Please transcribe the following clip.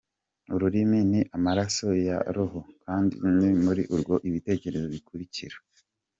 Ururimi ni amaraso ya roho kandi ni muri rwo ibitekerezo bikurira” .